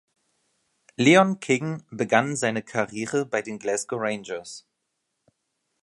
Leon King begann seine Karriere bei den Glasgow Rangers.